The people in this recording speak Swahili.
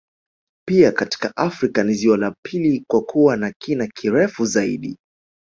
Pia katika Afrika ni ziwa la pili kwa kuwa na kina kirefu zaidi